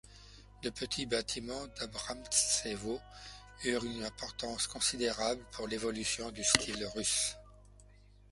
Deux petits bâtiments d'Abramtsevo eurent une importance considérable pour l'évolution du style russe.